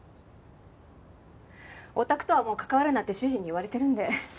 お宅とはもう関わるなって主人に言われてるんで。